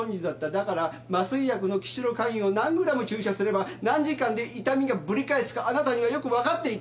だから麻酔薬のキシロカインを何グラム注射すれば何時間で痛みがぶり返すかあなたにはよく分かっていた。